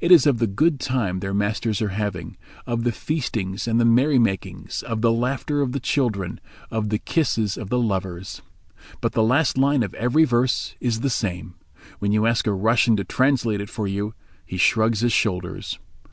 It is of the good time their masters are having, of the feastings and the merrymakings, of the laughter of the children, of the kisses of the lovers. But the last line of every verse is the same. When you ask a Russian to translate it for you he shrugs his shoulders.